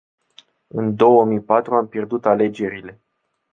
În două mii patru am pierdut alegerile.